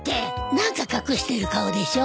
何か隠してる顔でしょ？